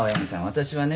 私はね